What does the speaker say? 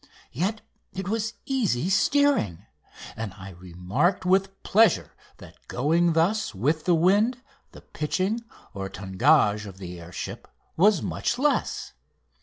Yet it was easy steering, and I remarked with pleasure that going thus with the wind the pitching or tangage of the air ship was much less.